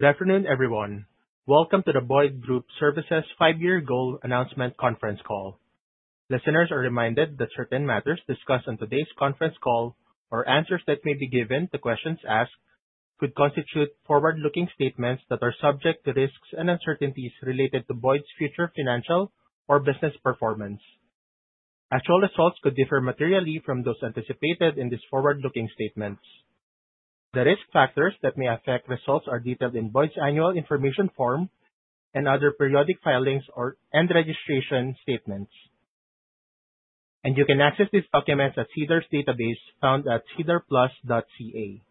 Good afternoon, everyone. Welcome to the Boyd Group Services Five-Year Goal Announcement Conference Call. Listeners are reminded that certain matters discussed on today's conference call or answers that may be given to questions asked could constitute forward-looking statements that are subject to risks and uncertainties related to Boyd's future financial or business performance. Actual results could differ materially from those anticipated in these forward-looking statements. The risk factors that may affect results are detailed in Boyd's Annual Information Form and other periodic filings and registration statements, and you can access these documents at SEDAR+'s database found at sedarplus.ca.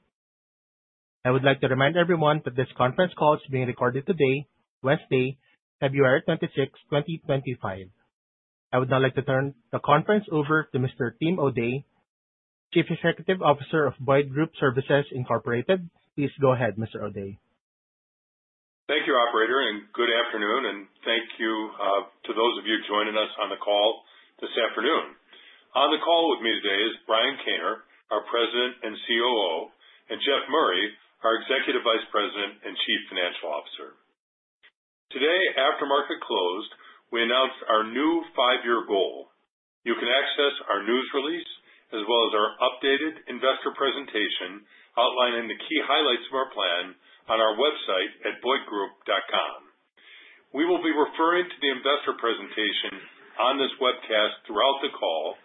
I would like to remind everyone that this conference call is being recorded today, Wednesday, February 26, 2025. I would now like to turn the conference over to Mr. Tim O'Day, Chief Executive Officer of Boyd Group Services, Incorporated. Please go ahead, Mr. O'Day. Thank you, Operator, and good afternoon, and thank you to those of you joining us on the call this afternoon. On the call with me today is Brian Kaner, our President and COO, and Jeff Murray, our Executive Vice President and Chief Financial Officer. Today, after market closed, we announced our new five-year goal. You can access our news release as well as our updated investor presentation outlining the key highlights of our plan on our website at boydgroup.com. We will be referring to the investor presentation on this webcast throughout the call,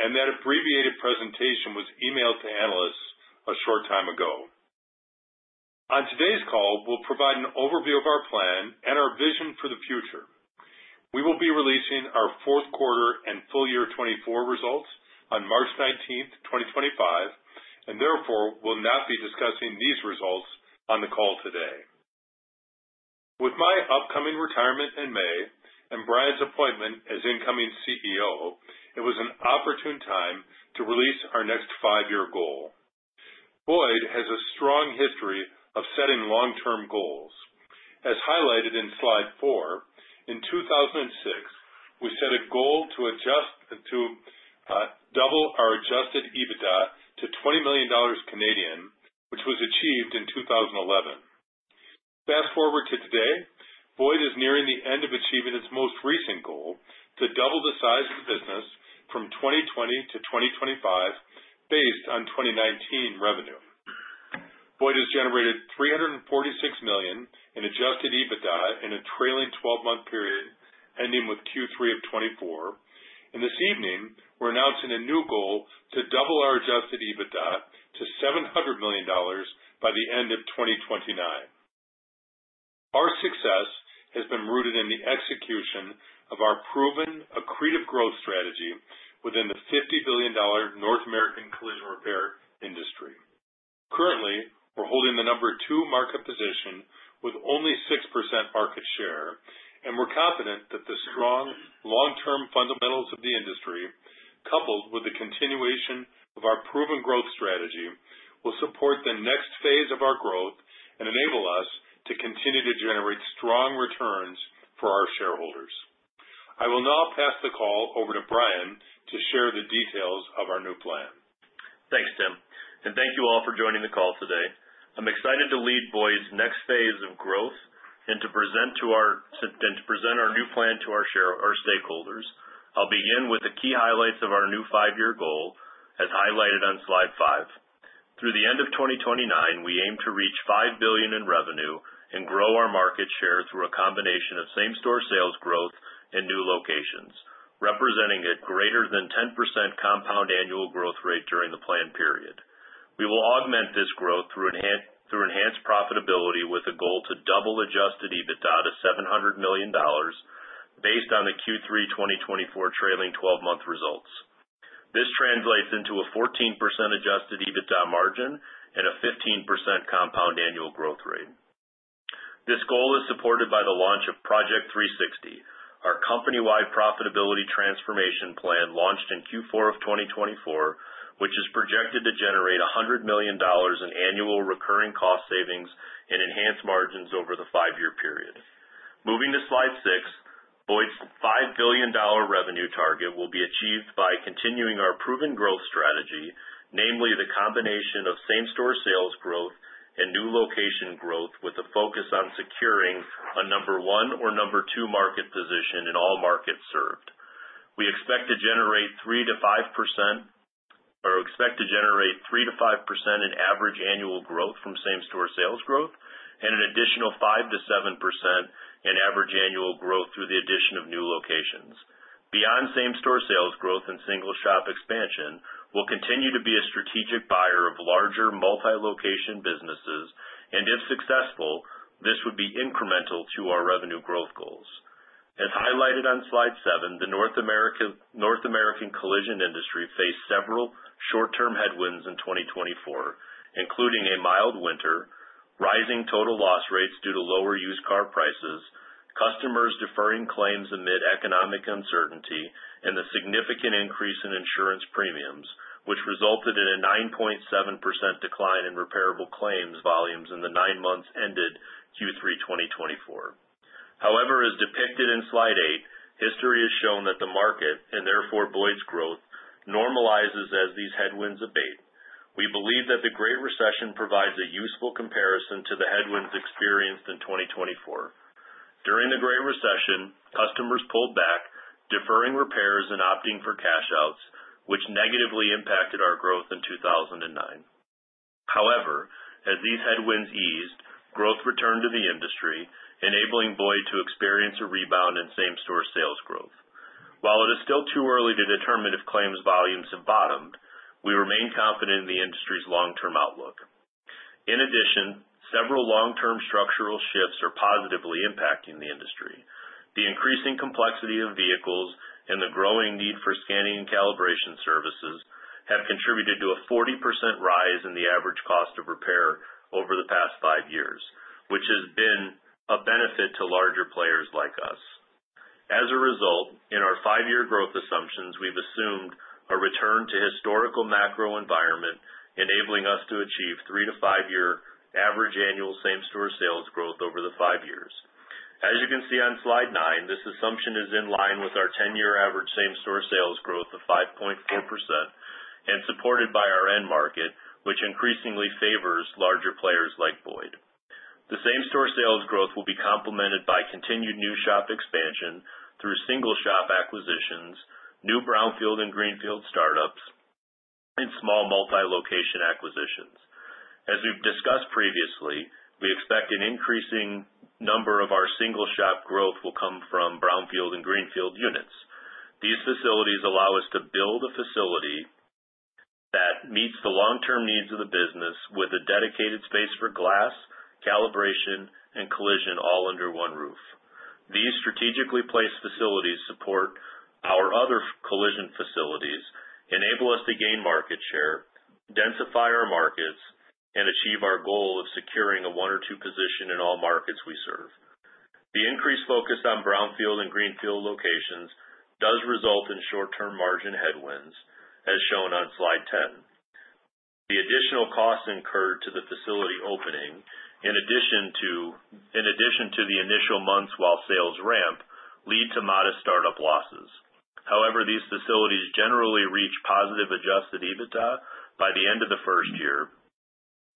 and that abbreviated presentation was emailed to analysts a short time ago. On today's call, we'll provide an overview of our plan and our vision for the future. We will be releasing our Q4 and full year 2024 results on 19 March 2025, and therefore will not be discussing these results on the call today. With my upcoming retirement in May and Brian's appointment as incoming CEO, it was an opportune time to release our next five-year goal. Boyd has a strong history of setting long-term goals. As highlighted in slide four, in 2006, we set a goal to adjust to double our adjusted EBITDA to 20 million Canadian dollars, which was achieved in 2011. Fast forward to today, Boyd is nearing the end of achieving its most recent goal to double the size of the business from 2020 to 2025 based on 2019 revenue. Boyd has generated 346 million in adjusted EBITDA in a trailing 12-month period, ending with Q3 of 2024. And this evening, we're announcing a new goal to double our adjusted EBITDA to 700 million dollars by the end of 2029. Our success has been rooted in the execution of our proven accretive growth strategy within the 50 billion dollar North American collision repair industry. Currently, we're holding the number two market position with only 6% market share, and we're confident that the strong long-term fundamentals of the industry, coupled with the continuation of our proven growth strategy, will support the next phase of our growth and enable us to continue to generate strong returns for our shareholders. I will now pass the call over to Brian to share the details of our new plan. Thanks, Tim. Thank you all for joining the call today. I'm excited to lead Boyd's next phase of growth and to present our new plan to our stakeholders. I'll begin with the key highlights of our new five-year goal, as highlighted on slide five. Through the end of 2029, we aim to reach 5 billion in revenue and grow our market share through a combination of same-store sales growth and new locations, representing a greater than 10% compound annual growth rate during the planned period. We will augment this growth through enhanced profitability with a goal to double adjusted EBITDA to 700 million dollars based on the Q3 2024 trailing 12-month results. This translates into a 14% adjusted EBITDA margin and a 15% compound annual growth rate. This goal is supported by the launch of Project 360, our company-wide profitability transformation plan launched in Q4 of 2024, which is projected to generate 100 million dollars in annual recurring cost savings and enhanced margins over the five-year period. Moving to slide six, Boyd's 5 billion dollar revenue target will be achieved by continuing our proven growth strategy, namely the combination of same-store sales growth and new location growth with a focus on securing a number one or number two market position in all markets served. We expect to generate 3%-5% in average annual growth from same-store sales growth and an additional 5%-7% in average annual growth through the addition of new locations. Beyond same-store sales growth and single-shop expansion, we'll continue to be a strategic buyer of larger multi-location businesses, and if successful, this would be incremental to our revenue growth goals. As highlighted on slide seven, the North American collision industry faced several short-term headwinds in 2024, including a mild winter, rising total loss rates due to lower used car prices, customers deferring claims amid economic uncertainty, and the significant increase in insurance premiums, which resulted in a 9.7% decline in repairable claims volumes in the nine months ended Q3 2024. However, as depicted in slide eight, history has shown that the market, and therefore Boyd's growth, normalizes as these headwinds abate. We believe that the Great Recession provides a useful comparison to the headwinds experienced in 2024. During the Great Recession, customers pulled back, deferring repairs and opting for cash-outs, which negatively impacted our growth in 2009. However, as these headwinds eased, growth returned to the industry, enabling Boyd to experience a rebound in same-store sales growth. While it is still too early to determine if claims volumes have bottomed, we remain confident in the industry's long-term outlook. In addition, several long-term structural shifts are positively impacting the industry. The increasing complexity of vehicles and the growing need for scanning and calibration services have contributed to a 40% rise in the average cost of repair over the past five years, which has been a benefit to larger players like us. As a result, in our five-year growth assumptions, we've assumed a return to historical macro environment, enabling us to achieve three to five-year average annual same-store sales growth over the five years. As you can see on slide nine, this assumption is in line with our ten-year average same-store sales growth of 5.4% and supported by our end market, which increasingly favors larger players like Boyd. The same-store sales growth will be complemented by continued new shop expansion through single-shop acquisitions, new brownfield and greenfield startups, and small multi-location acquisitions. As we've discussed previously, we expect an increasing number of our single-shop growth will come from brownfield and greenfield units. These facilities allow us to build a facility that meets the long-term needs of the business with a dedicated space for glass, calibration, and collision all under one roof. These strategically placed facilities support our other collision facilities, enable us to gain market share, densify our markets, and achieve our goal of securing a one or two position in all markets we serve. The increased focus on brownfield and greenfield locations does result in short-term margin headwinds, as shown on slide 10. The additional costs incurred to the facility opening, in addition to the initial months while sales ramp, lead to modest startup losses. However, these facilities generally reach positive adjusted EBITDA by the end of the first year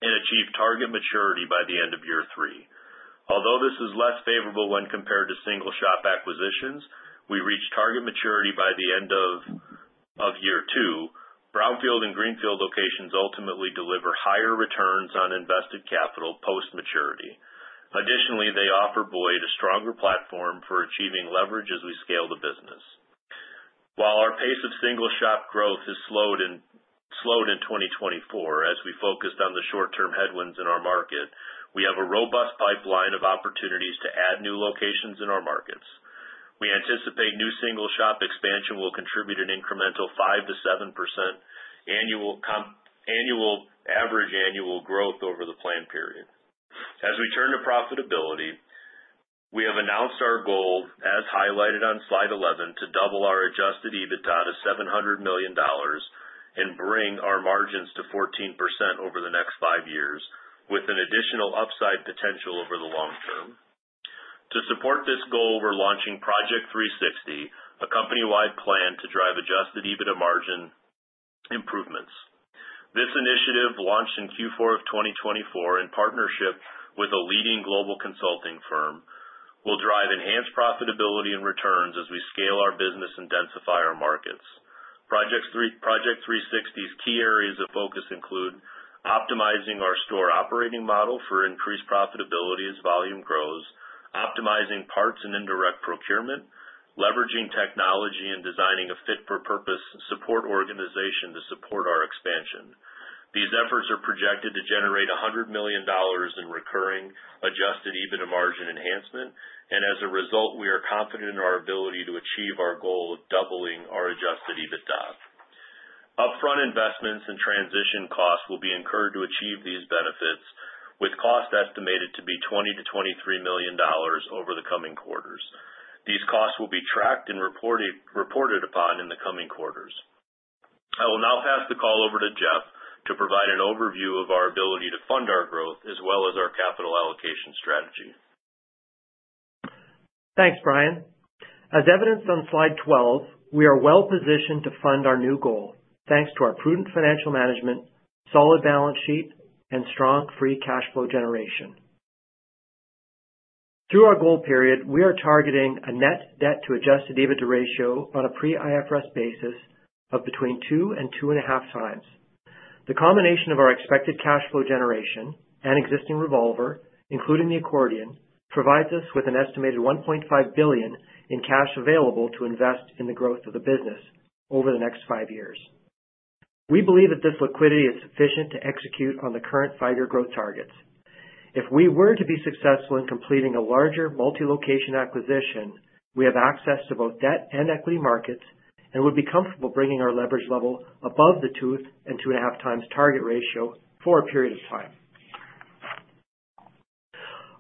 and achieve target maturity by the end of year three. Although this is less favorable when compared to single-shop acquisitions, we reach target maturity by the end of year two. brownfield and greenfield locations ultimately deliver higher returns on invested capital post-maturity. Additionally, they offer Boyd a stronger platform for achieving leverage as we scale the business. While our pace of single-shop growth has slowed in 2024, as we focused on the short-term headwinds in our market, we have a robust pipeline of opportunities to add new locations in our markets. We anticipate new single-shop expansion will contribute an incremental 5%-7% annual average growth over the planned period. As we turn to profitability, we have announced our goal, as highlighted on slide 11, to double our adjusted EBITDA to 700 million dollars and bring our margins to 14% over the next five years, with an additional upside potential over the long term. To support this goal, we're launching Project 360, a company-wide plan to drive adjusted EBITDA margin improvements. This initiative, launched in Q4 of 2024 in partnership with a leading global consulting firm, will drive enhanced profitability and returns as we scale our business and densify our markets. Project 360's key areas of focus include optimizing our store operating model for increased profitability as volume grows, optimizing parts and indirect procurement, leveraging technology, and designing a fit-for-purpose support organization to support our expansion. These efforts are projected to generate 100 million dollars in recurring adjusted EBITDA margin enhancement, and as a result, we are confident in our ability to achieve our goal of doubling our adjusted EBITDA. Upfront investments and transition costs will be incurred to achieve these benefits, with costs estimated to be 20 million to 23 million over the coming quarters. These costs will be tracked and reported upon in the coming quarters. I will now pass the call over to Jeff to provide an overview of our ability to fund our growth as well as our capital allocation strategy. Thanks, Brian. As evidenced on slide twelve, we are well positioned to fund our new goal thanks to our prudent financial management, solid balance sheet, and strong free cash flow generation. Through our goal period, we are targeting a net debt-to-adjusted EBITDA ratio on a pre-IFRS basis of between two and two and a half times. The combination of our expected cash flow generation and existing revolver, including the accordion, provides us with an estimated 1.5 billion in cash available to invest in the growth of the business over the next five years. We believe that this liquidity is sufficient to execute on the current five-year growth targets. If we were to be successful in completing a larger multi-location acquisition, we have access to both debt and equity markets and would be comfortable bringing our leverage level above the two and two and a half times target ratio for a period of time.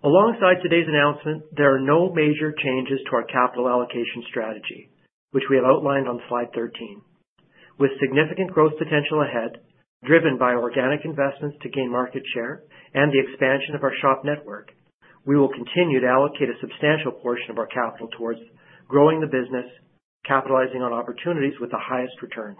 Alongside today's announcement, there are no major changes to our capital allocation strategy, which we have outlined on slide 13. With significant growth potential ahead, driven by organic investments to gain market share and the expansion of our shop network, we will continue to allocate a substantial portion of our capital towards growing the business, capitalizing on opportunities with the highest returns.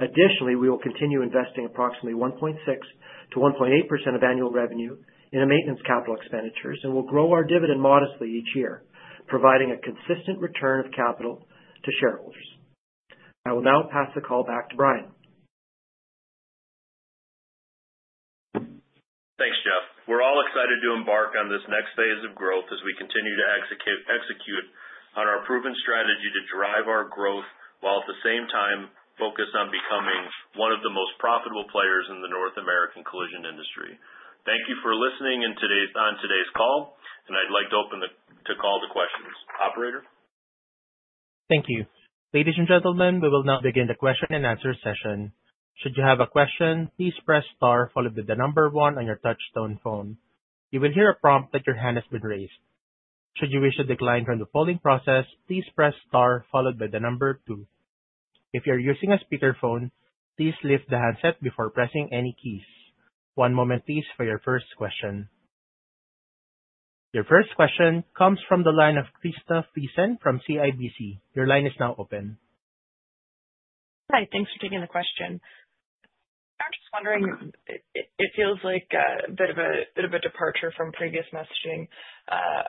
Additionally, we will continue investing approximately 1.6%-1.8% of annual revenue in maintenance capital expenditures and will grow our dividend modestly each year, providing a consistent return of capital to shareholders. I will now pass the call back to Brian. Thanks, Jeff. We're all excited to embark on this next phase of growth as we continue to execute on our proven strategy to drive our growth while at the same time focus on becoming one of the most profitable players in the North American collision industry. Thank you for listening on today's call, and I'd like to open the call to questions. Operator? Thank you. Ladies and gentlemen, we will now begin the question-and-answer session. Should you have a question, please press star followed by the number one on your touch-tone phone. You will hear a prompt that your hand has been raised. Should you wish to decline from the polling process, please press star followed by the number two. If you are using a speakerphone, please lift the handset before pressing any keys. One moment, please, for your first question. Your first question comes from the line of Krista Friesen from CIBC. Your line is now open. Hi. Thanks for taking the question. I'm just wondering, it feels like a bit of a departure from previous messaging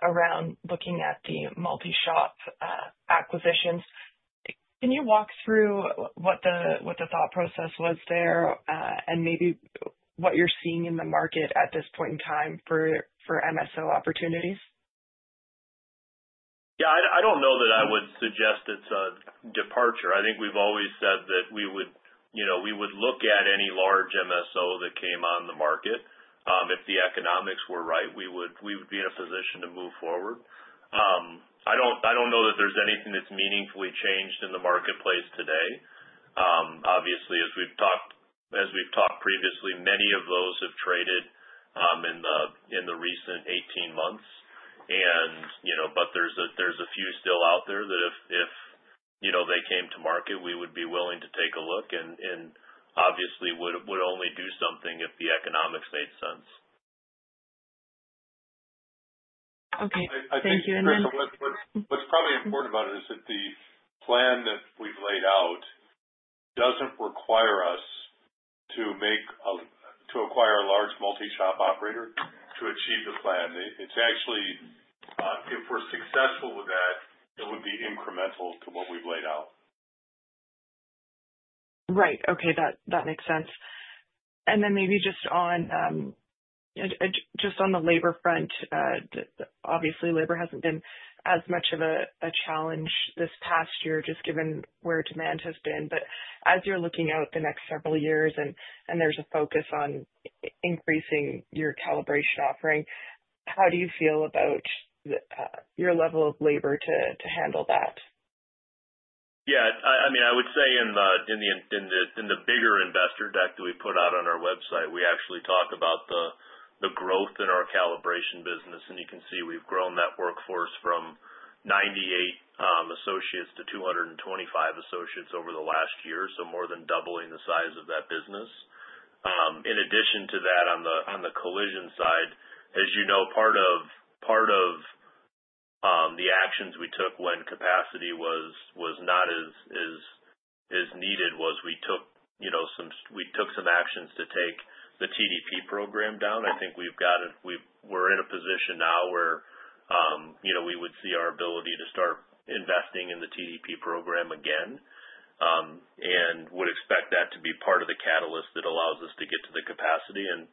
around looking at the multi-shop acquisitions. Can you walk through what the thought process was there and maybe what you're seeing in the market at this point in time for MSO opportunities? Yeah. I don't know that I would suggest it's a departure. I think we've always said that we would look at any large MSO that came on the market. If the economics were right, we would be in a position to move forward. I don't know that there's anything that's meaningfully changed in the marketplace today. Obviously, as we've talked previously, many of those have traded in the recent 18 months, but there's a few still out there that if they came to market, we would be willing to take a look and obviously would only do something if the economics made sense. Okay. Thank you. And then— What's probably important about it is that the plan that we've laid out doesn't require us to acquire a large multi-shop operator to achieve the plan. If we're successful with that, it would be incremental to what we've laid out. Right. Okay. That makes sense. And then maybe just on the labor front, obviously, labor hasn't been as much of a challenge this past year just given where demand has been. But as you're looking out the next several years and there's a focus on increasing your calibration offering, how do you feel about your level of labor to handle that? Yeah. I mean, I would say in the bigger investor deck that we put out on our website, we actually talk about the growth in our calibration business, and you can see we've grown that workforce from 98 associates to 225 associates over the last year, so more than doubling the size of that business. In addition to that, on the collision side, as you know, part of the actions we took when capacity was not as needed was we took some actions to take the TDP program down. I think we're in a position now where we would see our ability to start investing in the TDP program again and would expect that to be part of the catalyst that allows us to get to the capacity, and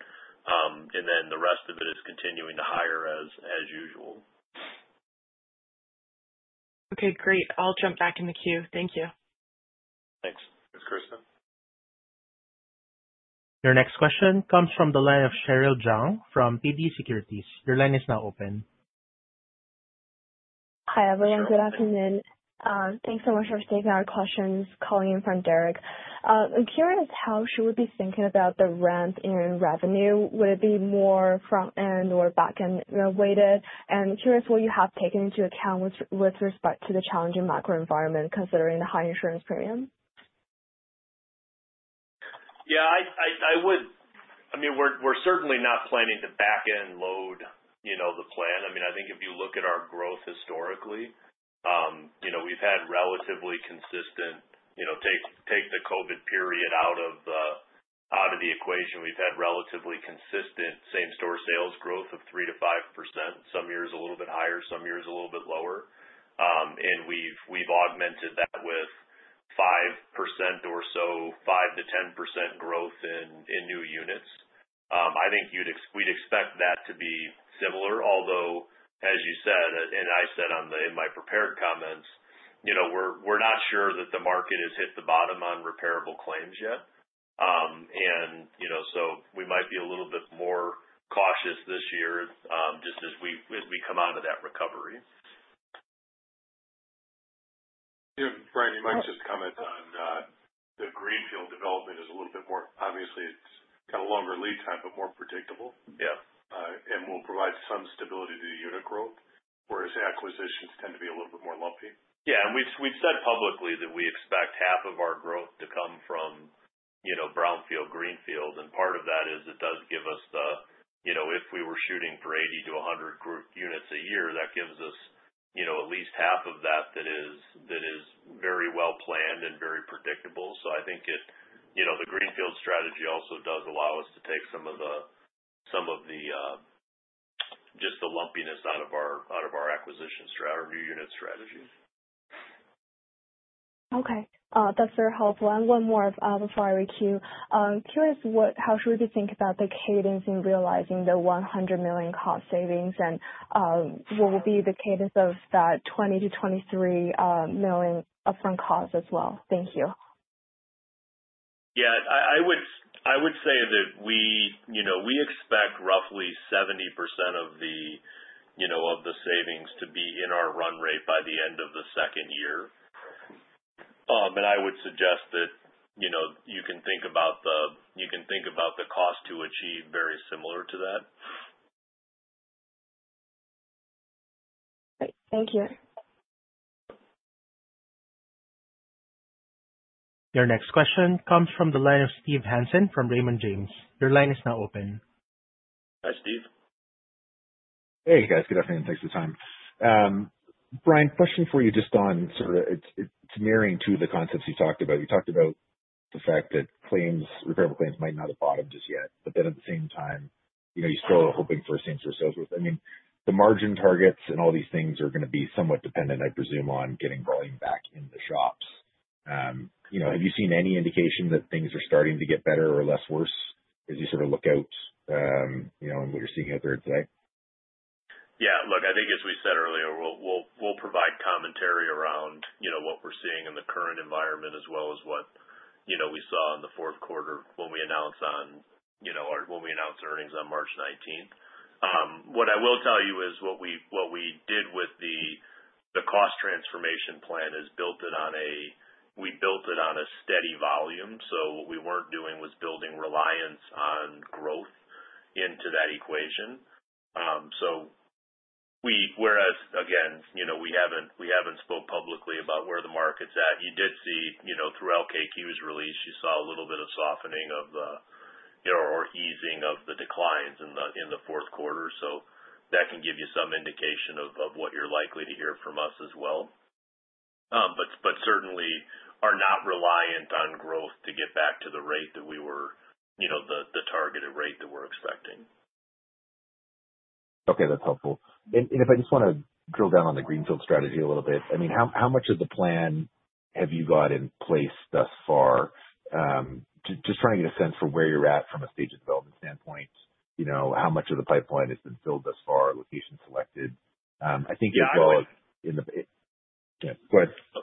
then the rest of it is continuing to hire as usual. Okay. Great. I'll jump back in the queue. Thank you. Thanks. Thanks, Krista. Your next question comes from the line of Cheryl Zhang from TD Securities. Your line is now open. Hi, everyone. Good afternoon. Thanks so much for taking our questions. Calling from Derek. I'm curious how she would be thinking about the ramp in revenue. Would it be more front-end or back-end weighted? And curious what you have taken into account with respect to the challenging macro environment considering the high insurance premium. Yeah. I mean, we're certainly not planning to back-end load the plan. I mean, I think if you look at our growth historically, we've had relatively consistent (take the COVID period out of the equation) we've had relatively consistent same-store sales growth of 3%-5%. Some years a little bit higher, some years a little bit lower, and we've augmented that with 5% or so, 5%-10% growth in new units. I think we'd expect that to be similar, although, as you said, and I said in my prepared comments, we're not sure that the market has hit the bottom on repairable claims yet, and so we might be a little bit more cautious this year just as we come out of that recovery. Yeah. Brian, you might just comment on the greenfield development is a little bit more, obviously, it's got a longer lead time, but more predictable. And we'll provide some stability to the unit growth, whereas acquisitions tend to be a little bit more lumpy. Yeah, and we've said publicly that we expect half of our growth to come from brownfield, greenfield. And part of that is it does give us the, if we were shooting for 80-100 units a year, that gives us at least half of that that is very well planned and very predictable. So, I think the greenfield strategy also does allow us to take some of the just the lumpiness out of our acquisition strategy, our new unit strategy. Okay. That's very helpful. And one more before I yield: curious how should we think about the cadence in realizing the 100 million cost savings and what will be the cadence of that 20 million-23 million upfront cost as well? Thank you. Yeah. I would say that we expect roughly 70% of the savings to be in our run rate by the end of the second year. And I would suggest that you can think about the cost to achieve very similar to that. Great. Thank you. Your next question comes from the line of Steve Hansen from Raymond James. Your line is now open. Hi, Steve. Hey, guys. Good afternoon. Thanks for the time. Brian, question for you just on sort of it's mirroring two of the concepts you talked about. You talked about the fact that repairable claims might not have bottomed just yet, but then at the same time, you're still hoping for a same-store sales growth. I mean, the margin targets and all these things are going to be somewhat dependent, I presume, on getting volume back in the shops. Have you seen any indication that things are starting to get better or less worse as you sort of look out on what you're seeing out there today? Yeah. Look, I think as we said earlier, we'll provide commentary around what we're seeing in the current environment as well as what we saw in the Q4 when we announced on or when we announced earnings on March 19th. What I will tell you is what we did with the cost transformation plan is built it on a—we built it on a steady volume. So, what we weren't doing was building reliance on growth into that equation. So, whereas, again, we haven't spoke publicly about where the market's at. You did see throughout our Q4 release, you saw a little bit of softening or easing of the declines in the Q4. So that can give you some indication of what you're likely to hear from us as well. But certainly, are not reliant on growth to get back to the rate that we were, the targeted rate that we're expecting. Okay. That's helpful. And if I just want to drill down on the greenfield strategy a little bit, I mean, how much of the plan have you got in place thus far? Just trying to get a sense for where you're at from a stage of development standpoint, how much of the pipeline has been filled thus far, location selected. I think as well as in the— Yeah. Go ahead. No.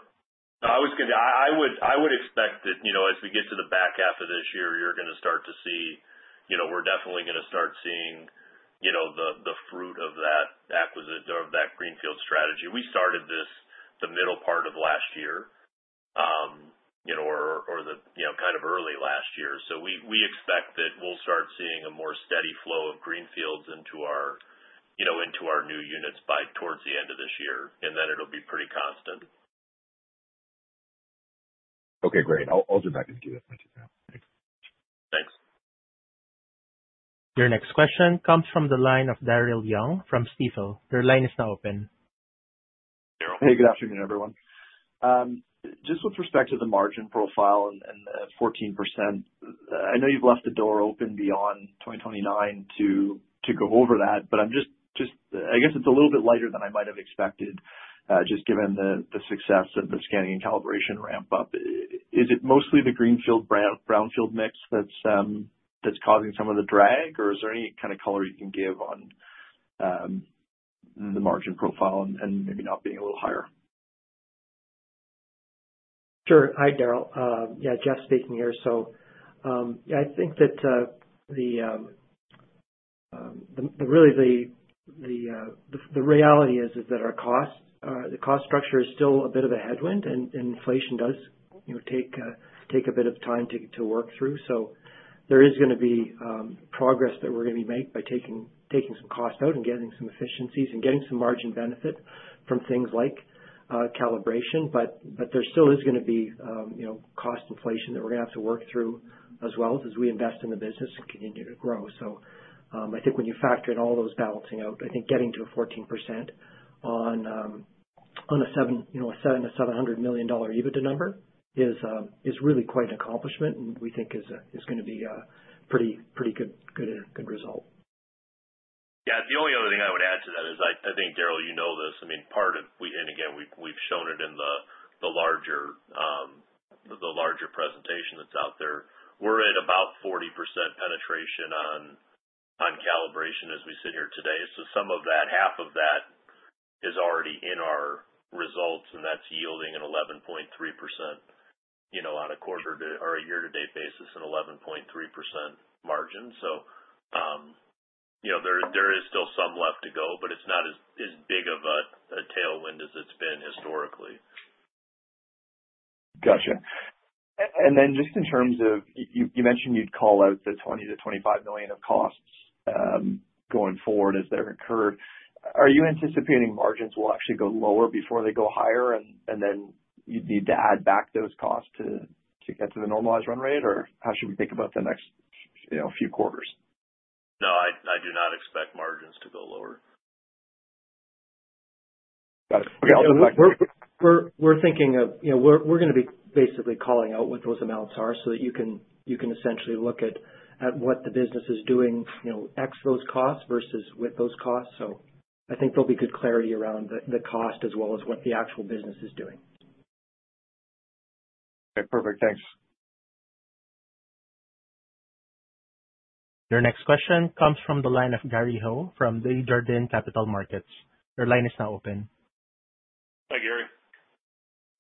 I was going to, I would expect that as we get to the back half of this year, you're going to start to see, we're definitely going to start seeing the fruit of that acquisition of that greenfield strategy. We started this the middle part of last year or the kind of early last year. So, we expect that we'll start seeing a more steady flow of greenfields into our new units by towards the end of this year, and then it'll be pretty constant. Okay. Great. I'll jump back into queue at 10:00 P.M. now. Thanks. Thanks. Your next question comes from the line of Daryl Young from Stifel. Your line is now open. Daryl. Hey. Good afternoon, everyone. Just with respect to the margin profile and the 14%, I know you've left the door open beyond 2029 to go over that, but I guess it's a little bit lighter than I might have expected just given the success of the scanning and calibration ramp-up. Is it mostly the greenfield, brownfield mix that's causing some of the drag, or is there any kind of color you can give on the margin profile and maybe not being a little higher? Sure. Hi, Daryl. Yeah. Jeff speaking here. So, yeah, I think that really the reality is that our cost structure is still a bit of a headwind, and inflation does take a bit of time to work through. So, there is going to be progress that we're going to make by taking some cost out and getting some efficiencies and getting some margin benefit from things like calibration. But there still is going to be cost inflation that we're going to have to work through as well as we invest in the business and continue to grow. So, I think when you factor in all those balancing out, I think getting to a 14% on a 700 million dollar EBITDA number is really quite an accomplishment, and we think is going to be a pretty good result. Yeah. The only other thing I would add to that is I think, Daryl, you know this. I mean, part of, and again, we've shown it in the larger presentation that's out there. We're at about 40% penetration on calibration as we sit here today. So, some of that, half of that is already in our results, and that's yielding an 11.3% on a quarter-to-date or a year-to-date basis and 11.3% margin. So, there is still some left to go, but it's not as big of a tailwind as it's been historically. Gotcha. And then just in terms of you mentioned you'd call out the 20 million-25 million of costs going forward as they're incurred. Are you anticipating margins will actually go lower before they go higher, and then you'd need to add back those costs to get to the normalized run rate, or how should we think about the next few quarters? No. I do not expect margins to go lower. Got it. Okay. I'll jump back to you. We're going to be basically calling out what those amounts are so that you can essentially look at what the business is doing ex those costs versus with those costs. So, I think there'll be good clarity around the cost as well as what the actual business is doing. Okay. Perfect. Thanks. Your next question comes from the line of Gary Ho from Desjardins Capital Markets. Your line is now open. Hi, Gary.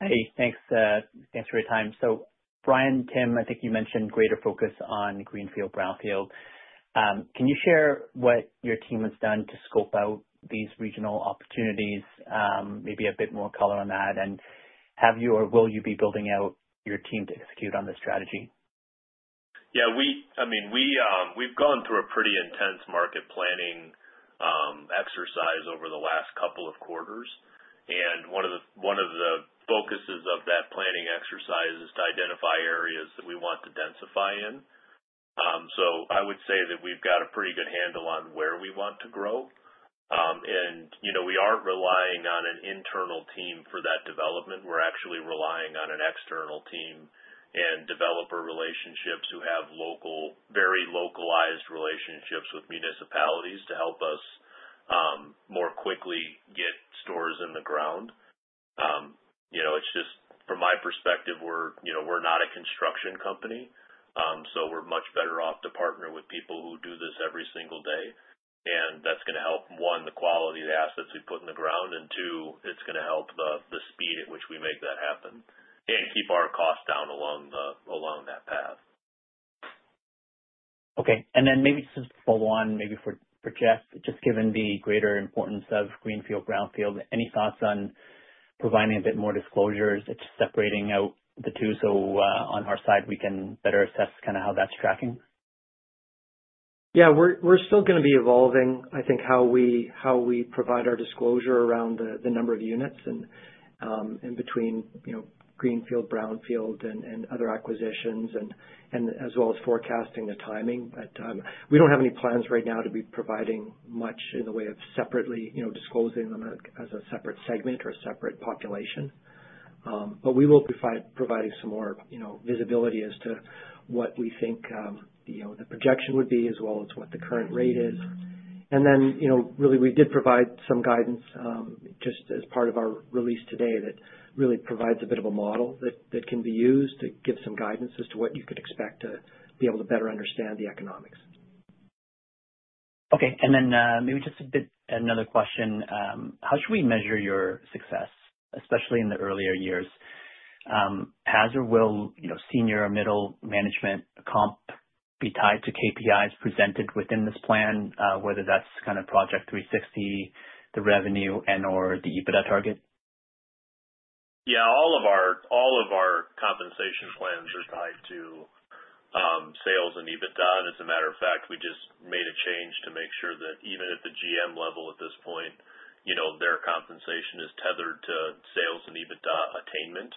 Hi. Thanks for your time. So, Brian, Tim, I think you mentioned greater focus on greenfield, brownfield. Can you share what your team has done to scope out these regional opportunities, maybe a bit more color on that, and have you or will you be building out your team to execute on this strategy? Yeah. I mean, we've gone through a pretty intense market planning exercise over the last couple of quarters. And one of the focuses of that planning exercise is to identify areas that we want to densify in. So, I would say that we've got a pretty good handle on where we want to grow. And we aren't relying on an internal team for that development. We're actually relying on an external team and developer relationships who have very localized relationships with municipalities to help us more quickly get stores in the ground. It's just, from my perspective, we're not a construction company. So, we're much better off to partner with people who do this every single day. That's going to help, one, the quality of the assets we put in the ground, and two, it's going to help the speed at which we make that happen and keep our cost down along that path. Okay. And then maybe just to follow on, maybe for Jeff, just given the greater importance of greenfield, brownfield, any thoughts on providing a bit more disclosures and separating out the two so on our side, we can better assess kind of how that's tracking? Yeah. We're still going to be evolving, I think, how we provide our disclosure around the number of units and in between greenfield, brownfield and other acquisitions and as well as forecasting the timing. But we don't have any plans right now to be providing much in the way of separately disclosing them as a separate segment or a separate population. But we will be providing some more visibility as to what we think the projection would be as well as what the current rate is. And then really, we did provide some guidance just as part of our release today that really provides a bit of a model that can be used to give some guidance as to what you can expect to be able to better understand the economics. Okay. And then maybe just another question. How should we measure your success, especially in the earlier years? Has or will senior or middle management comp be tied to KPIs presented within this plan, whether that's kind of Project 360, the revenue, and/or the EBITDA target? Yeah. All of our compensation plans are tied to sales and EBITDA. And as a matter of fact, we just made a change to make sure that even at the GM level at this point, their compensation is tethered to sales and EBITDA attainment.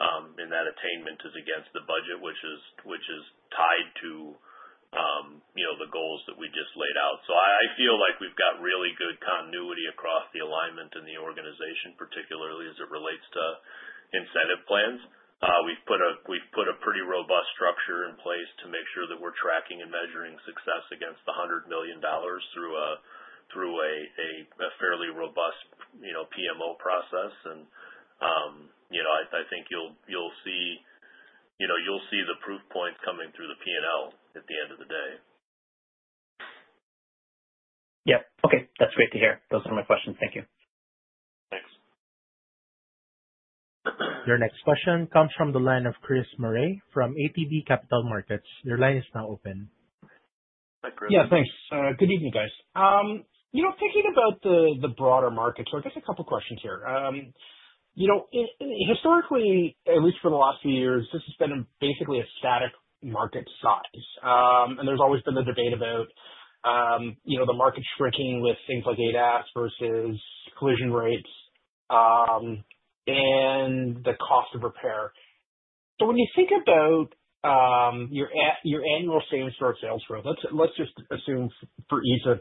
And that attainment is against the budget, which is tied to the goals that we just laid out. So, I feel like we've got really good continuity across the alignment in the organization, particularly as it relates to incentive plans. We've put a pretty robust structure in place to make sure that we're tracking and measuring success against the 100 million dollars through a fairly robust PMO process. And I think you'll see the proof points coming through the P&L at the end of the day. Yep. Okay. That's great to hear. Those are my questions. Thank you. Thanks. Your next question comes from the line of Chris Murray from ATB Capital Markets. Your line is now open. Hi, Chris. Yeah. Thanks. Good evening, guys. Thinking about the broader market, so I guess a couple of questions here. Historically, at least for the last few years, this has been basically a static market size. And there's always been the debate about the market shrinking with things like ADAS versus collision rates and the cost of repair. So, when you think about your annual same-store sales growth, let's just assume for ease of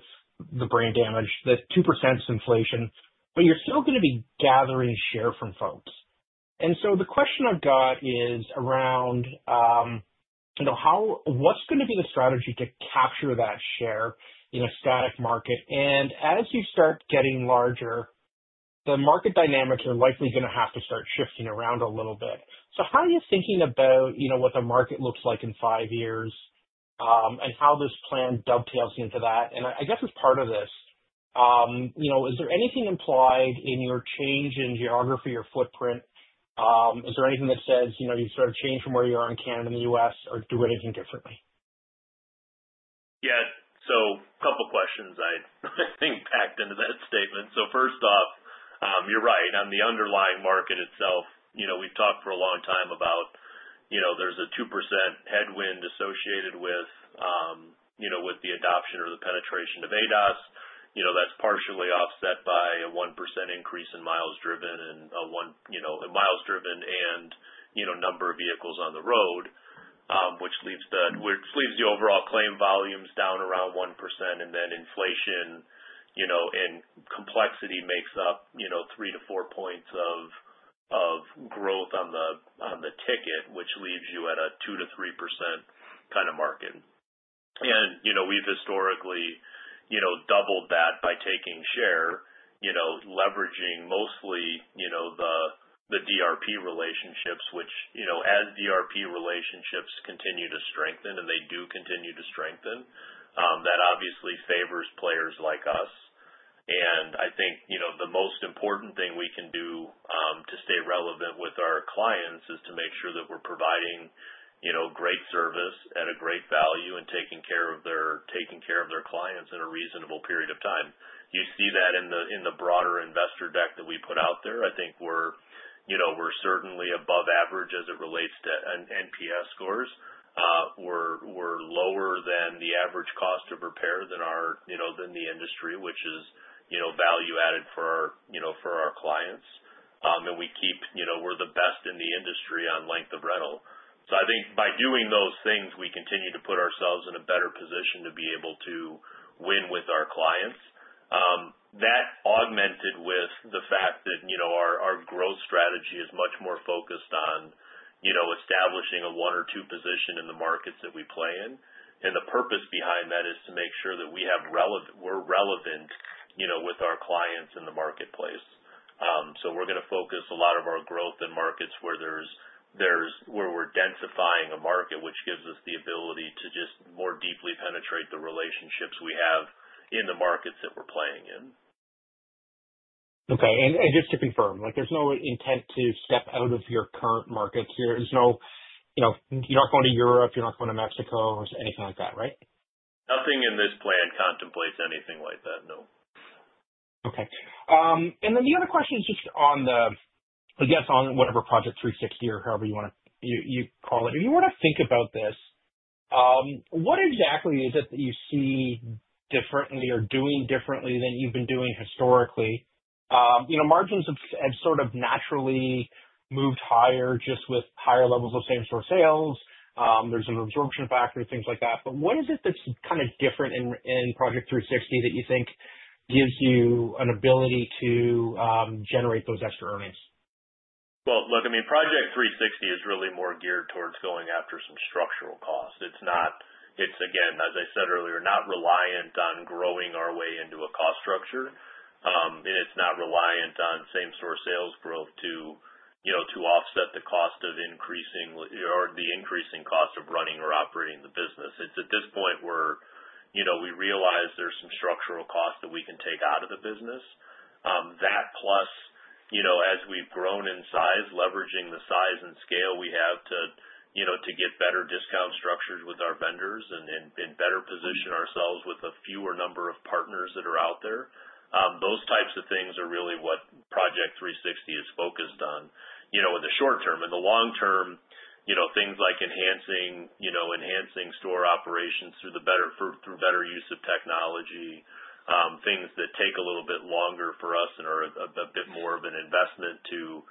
the brain damage, that 2% is inflation, but you're still going to be gathering share from folks. And so, the question I've got is around what's going to be the strategy to capture that share in a static market? And as you start getting larger, the market dynamics are likely going to have to start shifting around a little bit. So how are you thinking about what the market looks like in five years and how this plan dovetails into that? And I guess as part of this, is there anything implied in your change in geography or footprint? Is there anything that says you sort of change from where you are in Canada and the U.S. or do anything differently? Yeah. So, couple of questions I think packed into that statement. So, first off, you're right. On the underlying market itself, we've talked for a long time about there's a 2% headwind associated with the adoption or the penetration of ADAS. That's partially offset by a 1% increase in miles driven and a miles driven and number of vehicles on the road, which leaves the overall claim volumes down around 1%. And then inflation and complexity makes up three to four points of growth on the ticket, which leaves you at a 2%-3% kind of market. And we've historically doubled that by taking share, leveraging mostly the DRP relationships, which as DRP relationships continue to strengthen and they do continue to strengthen, that obviously favors players like us. I think the most important thing we can do to stay relevant with our clients is to make sure that we're providing great service at a great value and taking care of their clients in a reasonable period of time. You see that in the broader investor deck that we put out there. I think we're certainly above average as it relates to NPS scores. We're lower than the average cost of repair than the industry, which is value added for our clients. And we, we're the best in the industry on length of rental. So, I think by doing those things, we continue to put ourselves in a better position to be able to win with our clients. That, augmented with the fact that our growth strategy is much more focused on establishing a one or two position in the markets that we play in. The purpose behind that is to make sure that we're relevant with our clients in the marketplace. We're going to focus a lot of our growth in markets where we're densifying a market, which gives us the ability to just more deeply penetrate the relationships we have in the markets that we're playing in. Okay, and just to confirm, there's no intent to step out of your current markets here. You're not going to Europe. You're not going to Mexico or anything like that, right? Nothing in this plan contemplates anything like that. No. Okay. And then the other question is just on the, I guess, on whatever Project 360 or however you want to call it. If you want to think about this, what exactly is it that you see differently or doing differently than you've been doing historically? Margins have sort of naturally moved higher just with higher levels of same-store sales. There's an absorption factor, things like that. But what is it that's kind of different in Project 360 that you think gives you an ability to generate those extra earnings? Look, I mean, Project 360 is really more geared towards going after some structural costs. It's, again, as I said earlier, not reliant on growing our way into a cost structure. And it's not reliant on same-store sales growth to offset the cost of increasing or the increasing cost of running or operating the business. It's at this point where we realize there's some structural costs that we can take out of the business. That, plus as we've grown in size, leveraging the size and scale we have to get better discount structures with our vendors and better position ourselves with a fewer number of partners that are out there. Those types of things are really what Project 360 is focused on in the short term. In the long term, things like enhancing store operations through better use of technology, things that take a little bit longer for us and are a bit more of an investment to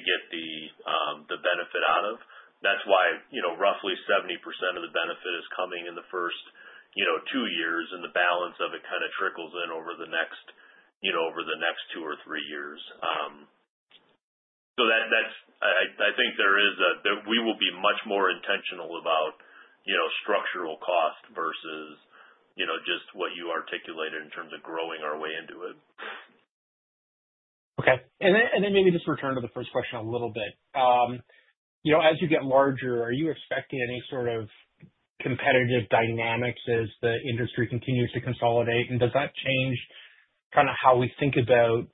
get the benefit out of. That's why roughly 70% of the benefit is coming in the first two years, and the balance of it kind of trickles in over the next two or three years. So, I think we will be much more intentional about structural cost versus just what you articulated in terms of growing our way into it. Okay. And then maybe just return to the first question a little bit. As you get larger, are you expecting any sort of competitive dynamics as the industry continues to consolidate? And does that change kind of how we think about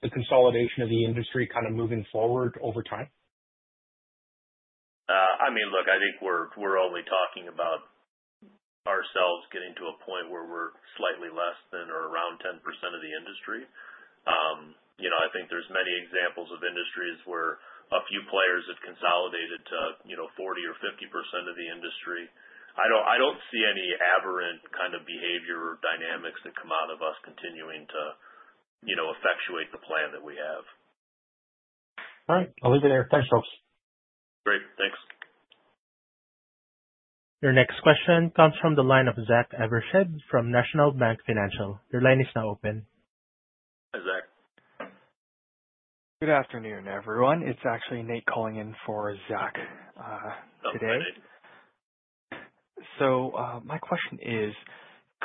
the consolidation of the industry kind of moving forward over time? I mean, look, I think we're only talking about ourselves getting to a point where we're slightly less than or around 10% of the industry. I think there's many examples of industries where a few players have consolidated to 40% or 50% of the industry. I don't see any aberrant kind of behavior or dynamics that come out of us continuing to effectuate the plan that we have. All right. I'll leave it there. Thanks, folks. Great. Thanks. Your next question comes from the line of Zach Evershed from National Bank Financial. Your line is now open. Hi, Zach. Good afternoon, everyone. It's actually Nate calling in for Zach today. Oh, hi, Nate. So, my question is,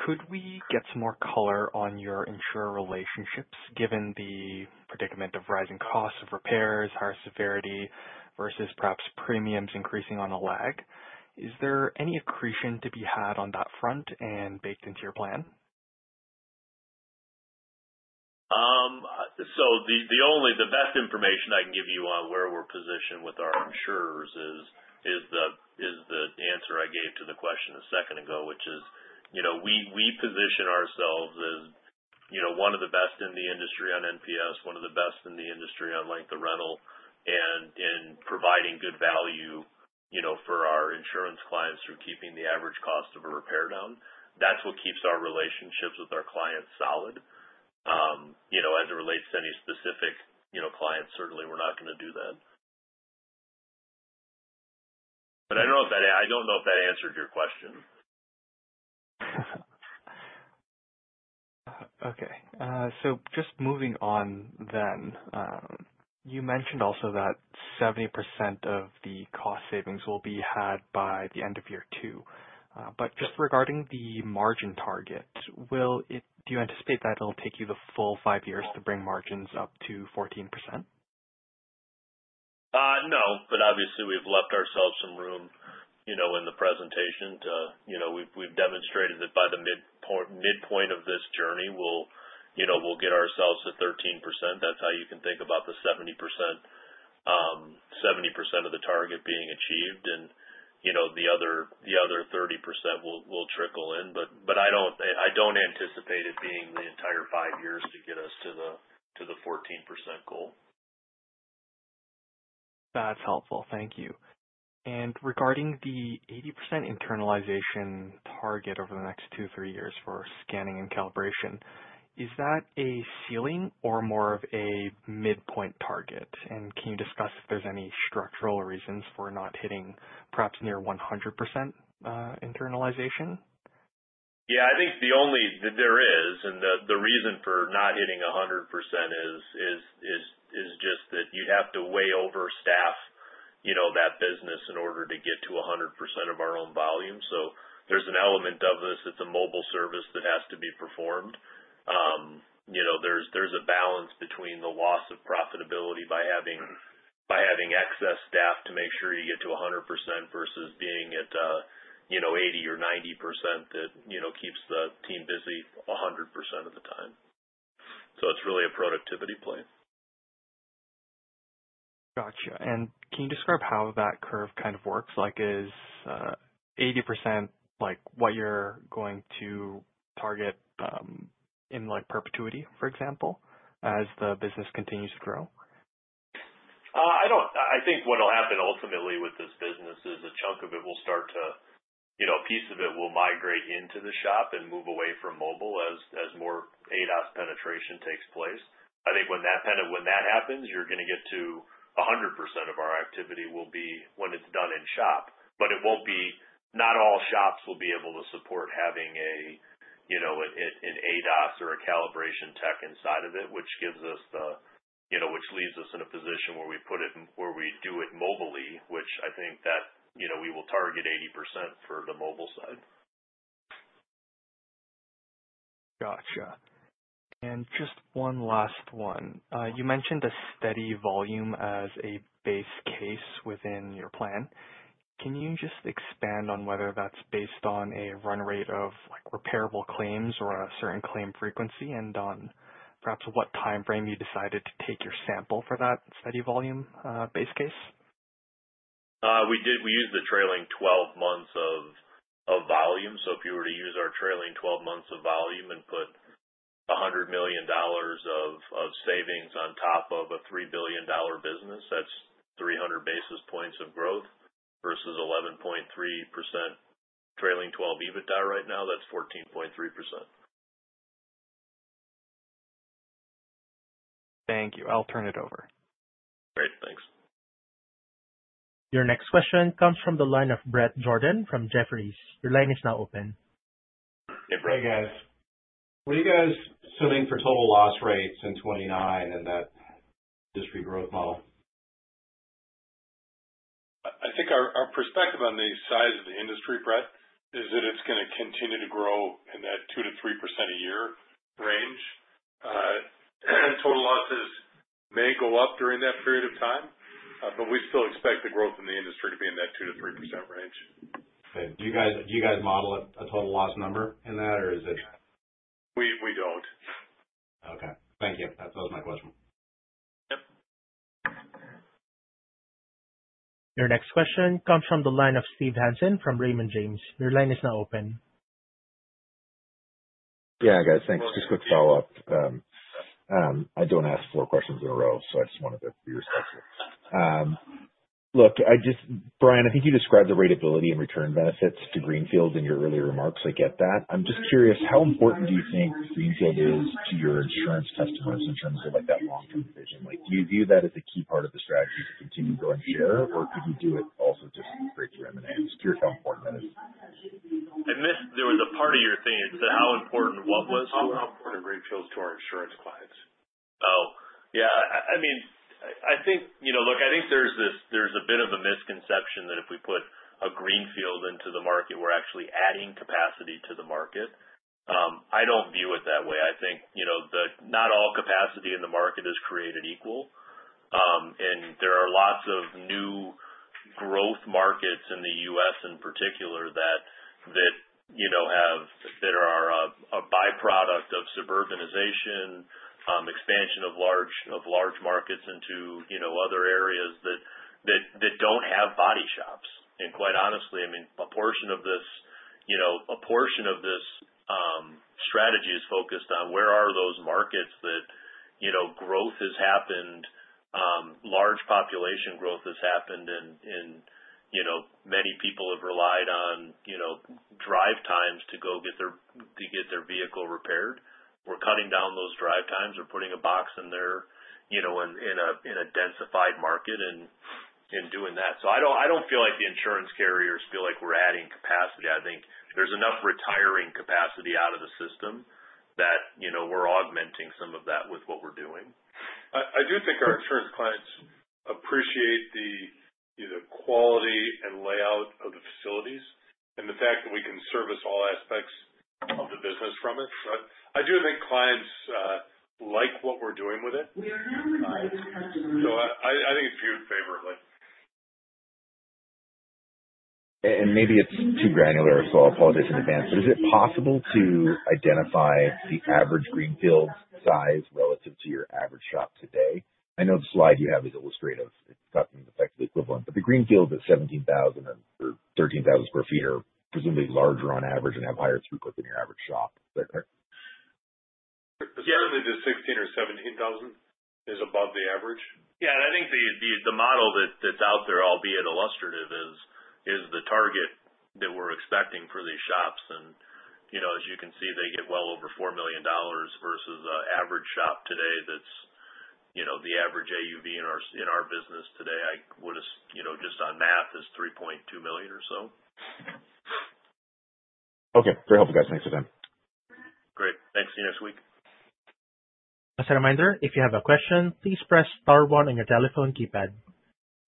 could we get some more color on your insurer relationships given the predicament of rising costs of repairs, higher severity versus perhaps premiums increasing on a lag? Is there any accretion to be had on that front and baked into your plan? So the best information I can give you on where we're positioned with our insurers is the answer I gave to the question a second ago, which is we position ourselves as one of the best in the industry on NPS, one of the best in the industry on length of rental, and in providing good value for our insurance clients through keeping the average cost of a repair down. That's what keeps our relationships with our clients solid. As it relates to any specific client, certainly we're not going to do that. But I don't know if that answered your question. Okay, so just moving on then, you mentioned also that 70% of the cost savings will be had by the end of year two, but just regarding the margin target, do you anticipate that it'll take you the full five years to bring margins up to 14%? No. But obviously, we've left ourselves some room in the presentation to, we've demonstrated that by the midpoint of this journey, we'll get ourselves to 13%. That's how you can think about the 70% of the target being achieved. And the other 30% will trickle in. But I don't anticipate it being the entire five years to get us to the 14% goal. That's helpful. Thank you. And regarding the 80% internalization target over the next two to three years for scanning and calibration, is that a ceiling or more of a midpoint target? And can you discuss if there's any structural reasons for not hitting perhaps near 100% internalization? Yeah. I think the only thing is, and the reason for not hitting 100% is just that you'd have to way overstaff that business in order to get to 100% of our own volume. So there's an element of this that's a mobile service that has to be performed. There's a balance between the loss of profitability by having excess staff to make sure you get to 100% versus being at 80% or 90% that keeps the team busy 100% of the time. So it's really a productivity play. Gotcha. And can you describe how that curve kind of works? Is 80% what you're going to target in perpetuity, for example, as the business continues to grow? I think what'll happen ultimately with this business is a piece of it will migrate into the shop and move away from mobile as more ADAS penetration takes place. I think when that happens, you're going to get to 100% of our activity will be when it's done in shop. But it won't be not all shops will be able to support having an ADAS or a calibration tech inside of it, which leaves us in a position where we do it mobilely, which I think that we will target 80% for the mobile side. Gotcha, and just one last one. You mentioned a steady volume as a base case within your plan. Can you just expand on whether that's based on a run rate of repairable claims or a certain claim frequency and on perhaps what time frame you decided to take your sample for that steady volume base case? We used the trailing 12 months of volume. So if you were to use our trailing 12 months of volume and put 100 million dollars of savings on top of a 3 billion dollar business, that's 300 basis points of growth versus 11.3% trailing 12 EBITDA right now. That's 14.3%. Thank you. I'll turn it over. Great. Thanks. Your next question comes from the line of Bret Jordan from Jefferies. Your line is now open. Hey, Bret. Hey, guys. What are you guys assuming for total loss rates in 2029 in that industry growth model? I think our perspective on the size of the industry, Bret, is that it's going to continue to grow in that 2%-3% a year range. Total losses may go up during that period of time, but we still expect the growth in the industry to be in that 2%-3% range. Okay. Do you guys model a total loss number in that, or is it? We don't. Okay. Thank you. That was my question. Your next question comes from the line of Steve Hansen from Raymond James. Your line is now open. Yeah, guys. Thanks. Just quick follow-up. I don't ask four questions in a row, so I just wanted to be respectful. Look, Brian, I think you described the rateability and return benefits to greenfield in your earlier remarks. I get that. I'm just curious, how important do you think greenfield is to your insurance customers in terms of that long-term vision? Do you view that as a key part of the strategy to continue going here, or could you do it also just straight through M&A? I'm just curious how important that is. I missed there was a part of your thing that said how important what was? How important are greenfields to our insurance clients? Oh, yeah. I mean, I think look, I think there's a bit of a misconception that if we put a greenfield into the market, we're actually adding capacity to the market. I don't view it that way. I think not all capacity in the market is created equal. And there are lots of new growth markets in the U.S. in particular that are a byproduct of suburbanization, expansion of large markets into other areas that don't have body shops. And quite honestly, I mean, a portion of this strategy is focused on where are those markets that growth has happened, large population growth has happened, and many people have relied on drive times to go get their vehicle repaired. We're cutting down those drive times. We're putting a box in there in a densified market and doing that. So I don't feel like the insurance carriers feel like we're adding capacity. I think there's enough retiring capacity out of the system that we're augmenting some of that with what we're doing. I do think our insurance clients appreciate the quality and layout of the facilities and the fact that we can service all aspects of the business from it. So I do think clients like what we're doing with it. So I think it's viewed favorably. Maybe it's too granular, so I apologize in advance. But is it possible to identify the average greenfield size relative to your average shop today? I know the slide you have is illustrative. It's gotten effectively equivalent. But the greenfields at 17,000 or 13,000 sq ft are presumably larger on average and have higher throughput than your average shop. Presumably the 16 or 17 thousand is above the average. Yeah. And I think the model that's out there, albeit illustrative, is the target that we're expecting for these shops. And as you can see, they get well over 4 million dollars versus an average shop today that's the average AUV in our business today, I would have just on math, is 3.2 million or so. Okay. Very helpful, guys. Thanks for your time. Great. Thanks. See you next week. As a reminder, if you have a question, please press star one on your telephone keypad.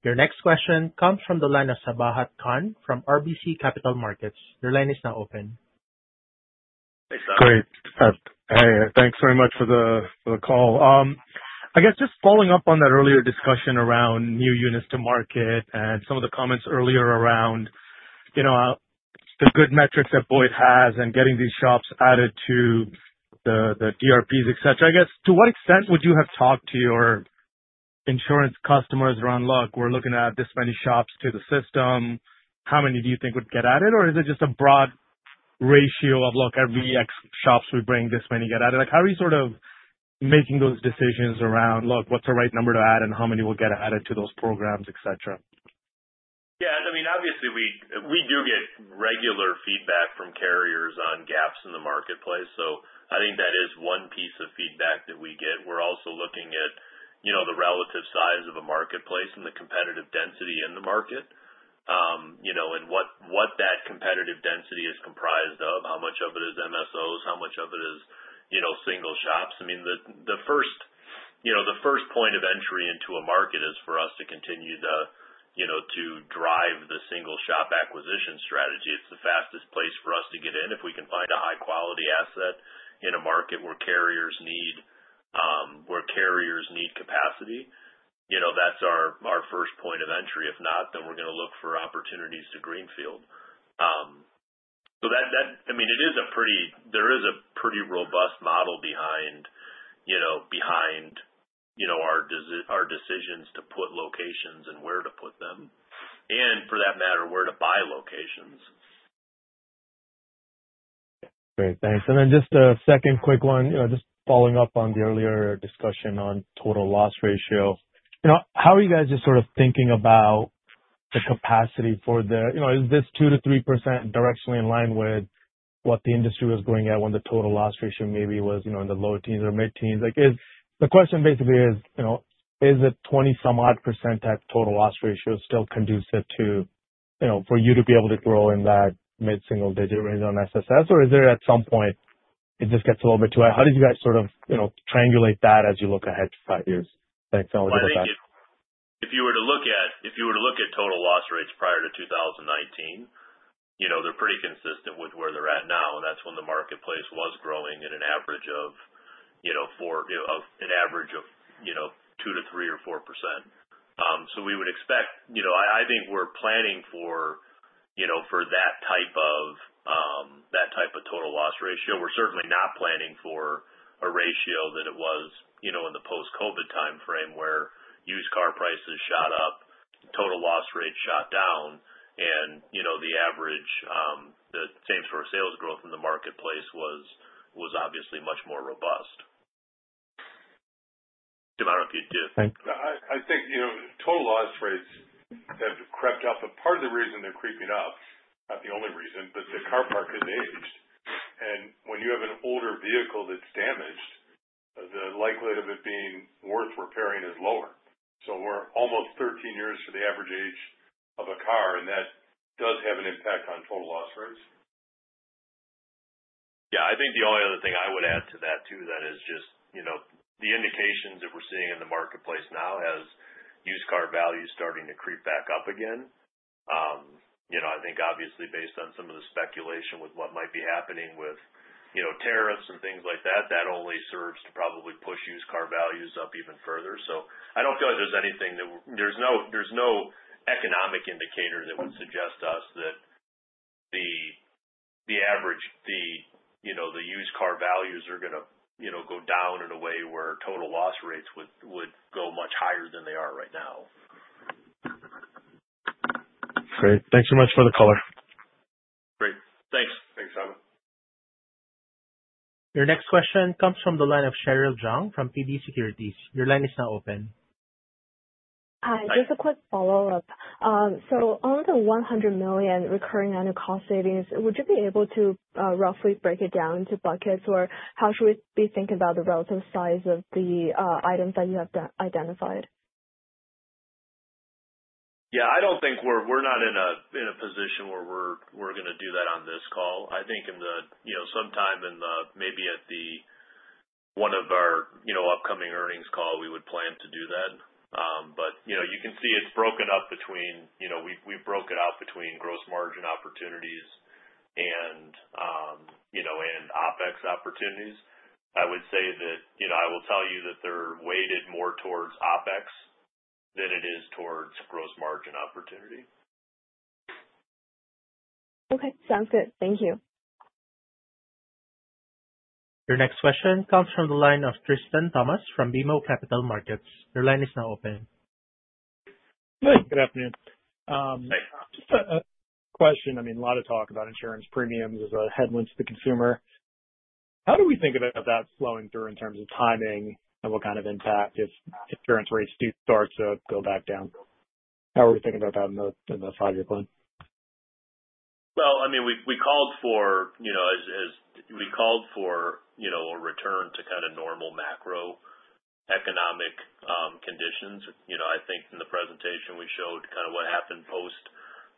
Your next question comes from the line of Sabahat Khan from RBC Capital Markets. Your line is now open. Hey, Sab. Great. Hey. Thanks very much for the call. I guess just following up on that earlier discussion around new units to market and some of the comments earlier around the good metrics that Boyd has and getting these shops added to the DRPs, etc. I guess, to what extent would you have talked to your insurance customers around, "Look, we're looking at this many shops to the system. How many do you think would get added?" Or is it just a broad ratio of, "Look, every X shops we bring, this many get added"? How are you sort of making those decisions around, "Look, what's the right number to add, and how many will get added to those programs," etc.? Yeah. I mean, obviously, we do get regular feedback from carriers on gaps in the marketplace. So I think that is one piece of feedback that we get. We're also looking at the relative size of a marketplace and the competitive density in the market and what that competitive density is comprised of, how much of it is MSOs, how much of it is single shops. I mean, the first point of entry into a market is for us to continue to drive the single shop acquisition strategy. It's the fastest place for us to get in if we can find a high-quality asset in a market where carriers need capacity. That's our first point of entry. If not, then we're going to look for opportunities to greenfield. So I mean, it is a pretty robust model behind our decisions to put locations and where to put them, and for that matter, where to buy locations. Great. Thanks. And then just a second quick one, just following up on the earlier discussion on total loss ratio. How are you guys just sort of thinking about the capacity for the—is this 2% to 3% directionally in line with what the industry was going at when the total loss ratio maybe was in the low teens or mid-teens? The question basically is, is the 20-some-odd percent type total loss ratio still conducive for you to be able to grow in that mid-single-digit range on SSS, or is there at some point it just gets a little bit too high? How did you guys sort of triangulate that as you look ahead to five years? Thanks. I want to go back. I think if you were to look at total loss rates prior to 2019, they're pretty consistent with where they're at now. And that's when the marketplace was growing at an average of 2%-3% or 4%. So, we would expect, I think we're planning for that type of total loss ratio. We're certainly not planning for a ratio that it was in the post-COVID time frame where used car prices shot up, total loss rate shot down, and the average, the same sort of sales growth in the marketplace was obviously much more robust. I don't know if you do. Thank you. I think total loss rates have crept up, but part of the reason they're creeping up, not the only reason, but the car park has aged, and when you have an older vehicle that's damaged, the likelihood of it being worth repairing is lower, so we're almost 13 years for the average age of a car, and that does have an impact on total loss rates. Yeah. I think the only other thing I would add to that too that is just the indications that we're seeing in the marketplace now has used car value starting to creep back up again. I think, obviously, based on some of the speculation with what might be happening with tariffs and things like that, that only serves to probably push used car values up even further. I don't feel like there's anything. There's no economic indicator that would suggest to us that the average used car values are going to go down in a way where total loss rates would go much higher than they are right now. Great. Thanks so much for the caller. Great. Thanks. Thanks, Sab. Your next question comes from the line of Cheryl Zhang from TD Securities. Your line is now open. Hi. Just a quick follow-up. So on the 100 million recurring annual cost savings, would you be able to roughly break it down into buckets, or how should we be thinking about the relative size of the items that you have identified? Yeah. I don't think we're not in a position where we're going to do that on this call. I think sometime in the maybe at the one of our upcoming earnings call, we would plan to do that. But you can see it's broken up between we've broken it out between gross margin opportunities and OPEX opportunities. I would say that I will tell you that they're weighted more towards OPEX than it is towards gross margin opportunity. Okay. Sounds good. Thank you. Your next question comes from the line of Tristan Thomas from BMO Capital Markets. Your line is now open. Good. Good afternoon. Hey. Just a question. I mean, a lot of talk about insurance premiums as a headwind to the consumer. How do we think about that flowing through in terms of timing and what kind of impact if insurance rates do start to go back down? How are we thinking about that in the five-year plan? I mean, we called for a return to kind of normal macroeconomic conditions. I think in the presentation, we showed kind of what happened post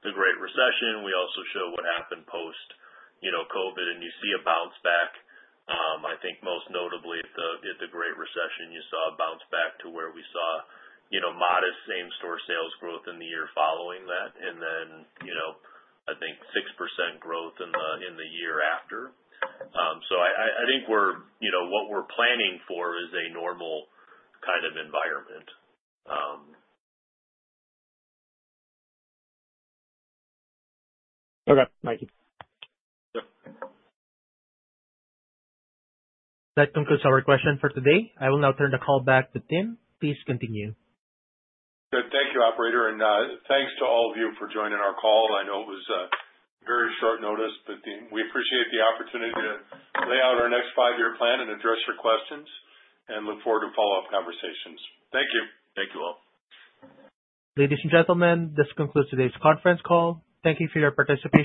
the Great Recession. We also showed what happened post-COVID, and you see a bounce back. I think most notably, at the Great Recession, you saw a bounce back to where we saw modest same-store sales growth in the year following that, and then I think 6% growth in the year after. I think what we're planning for is a normal kind of environment. Okay. Thank you. That concludes our question for today. I will now turn the call back to Tim. Please continue. Good. Thank you, operator. And thanks to all of you for joining our call. I know it was very short notice, but we appreciate the opportunity to lay out our next five-year plan and address your questions and look forward to follow-up conversations. Thank you. Thank you all. Ladies and gentlemen, this concludes today's conference call. Thank you for your participation.